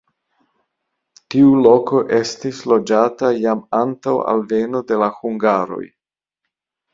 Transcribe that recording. Tiu loko estis loĝata jam antaŭ alveno de la hungaroj.